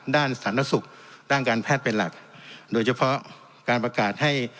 ด้านสาธารณสุขด้านการแพทย์เป็นหลักโดยเฉพาะการประกาศให้